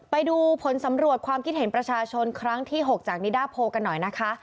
ไปดูผลสำรวจความคิดเห็นประชาชนครั้งที่๖จากนิดาโพลกันหน่อยนะคะ